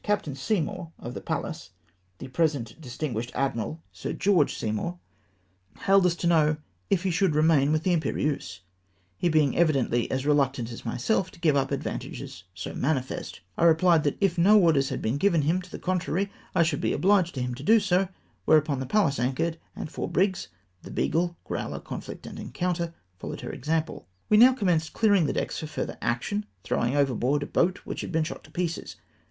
Captain Seymour, of the Pallas (the present distinguished admiral, Sir George Sey CAPTAIN SEYMOUR. 393 mour), hailed us to know " if lie should remain with the Imperieuse ?" he being evidently as reluctant as myself to give up advantages so manifest, I rephed, that if no orders had been given him to the con trary, I should be obhged to him so to do ; wliere upon the Pallas anchored, and fom: brigs, the Bea gle, Growler, Conflict, and Encounter, followed her example. We now commenced clearing the decks for further action, throwing overboard a boat which had been shot to pieces.